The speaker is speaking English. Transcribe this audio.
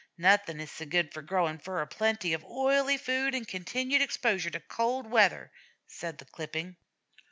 "Nothing is so good for growing fur as plenty of oily food and continued exposure to cold weather," said the clipping.